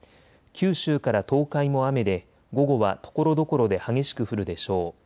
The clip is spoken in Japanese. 九州から東海も雨で午後はところどころで激しく降るでしょう。